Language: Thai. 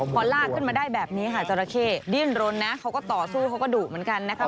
พอลากขึ้นมาได้แบบนี้ค่ะจราเข้ดิ้นรนนะเขาก็ต่อสู้เขาก็ดุเหมือนกันนะคะ